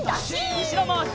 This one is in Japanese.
うしろまわし。